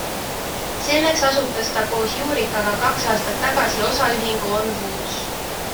Selleks asutas ta koos Juurikaga kaks aastat tagasi osaühingu OnWoods.